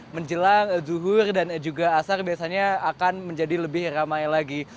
menjelang zuhur dan juga asar biasanya akan menjadi lebih ramai lagi